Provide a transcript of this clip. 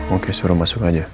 oke suruh masuk aja